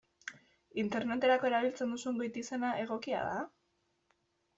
Interneterako erabiltzen duzun goitizena egokia da?